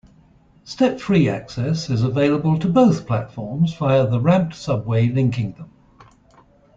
Step-free access is available to both platforms via the ramped subway linking them.